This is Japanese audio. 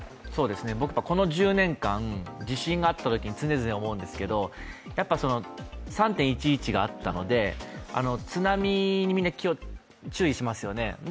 僕、この１０年間、地震があったとき、常々思うんですが、３・１１があったので、津波にみんな注意しますよね。